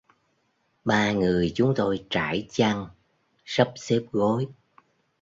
Ba người chúng tôi trải chăn, sắp xếp gối